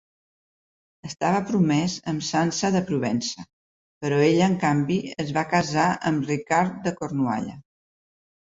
Estava promès amb Sança de Provença, però ella, en canvi, es va casar amb Ricard de Cornualla.